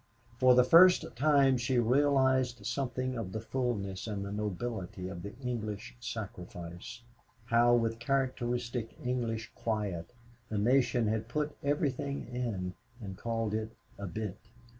For the first time she realized something of the fullness and the nobility of the English sacrifice how with characteristic English quiet, the nation had put everything in and called it a "bit."